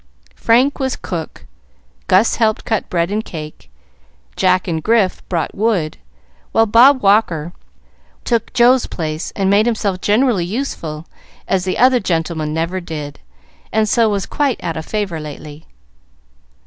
Frank was cook, Gus helped cut bread and cake, Jack and Grif brought wood, while Bob Walker took Joe's place and made himself generally useful, as the other gentleman never did, and so was quite out of favor lately.